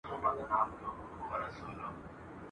تر څو به وینو وراني ویجاړي !.